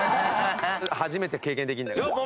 初めて経験できるんだから。